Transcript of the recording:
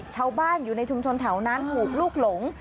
ชาวบ้านอยู่ในชุมชนแถวนั้นถูกลูกหลง